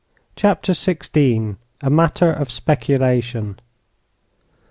CHAPTER XVI. A MATTER OF SPECULATION.